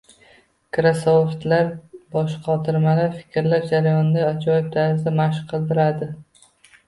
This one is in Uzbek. Krossvordlar, boshqotirmalar fikrlash jarayonini ajoyib tarzda mashq qildiradi.